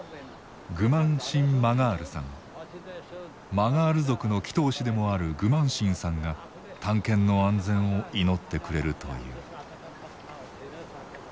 マガール族の祈とう師でもあるグマン・シンさんが探検の安全を祈ってくれるという。